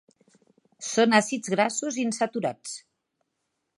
Són àcids grassos insaturats.